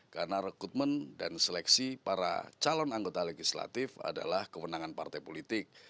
karena rekrutmen dan seleksi para calon anggota legislatif adalah kewenangan partai politik